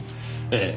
ええ。